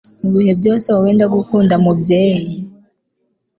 Mubihe byose wowe ndagukunda mubyeyi